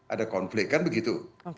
ada konflik kan begitu